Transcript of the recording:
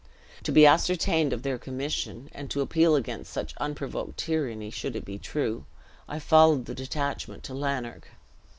To be ascertained of their commission, and to appeal against such unprovoked tyranny, should it be true, I followed the detachment to Lanark.